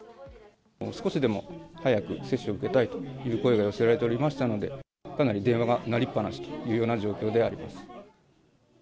少しでも早く接種を受けたいという声が寄せられておりましたので、かなり電話が鳴りっ放しというような状況であります。